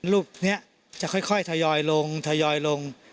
รูปนี้จะค่อยทยอยลงทยอยลง